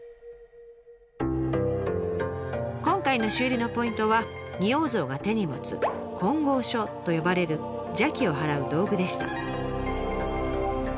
今回の修理のポイントは仁王像が手に持つ「金剛杵」と呼ばれる邪気を払う道具でした。